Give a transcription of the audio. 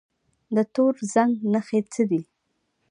د تور زنګ نښې څه دي؟